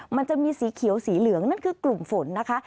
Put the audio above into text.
มันจะมีสีเขียวสีเหลืองนั่นคือกลุ่มฝนนะคะ